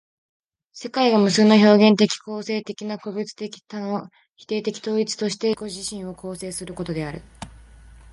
世界が無数の表現的形成的な個物的多の否定的統一として自己自身を形成することである。